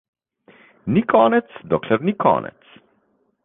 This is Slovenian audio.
Ni konec, dokler ni konec.